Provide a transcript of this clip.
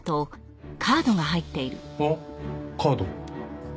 あっカード。